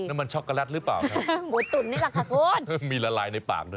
น้ำมันช็อกโกแลตหรือเปล่าครับหมูตุ๋นนี่แหละค่ะคุณมีละลายในปากด้วย